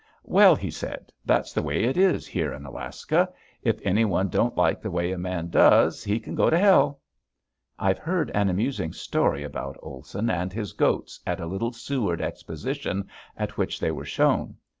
"Well," he said, "that's the way it is here in Alaska; if anyone don't like the way a man does he can go to Hell!" I've heard an amusing story about Olson and his goats at a little Seward exposition at which they were shown.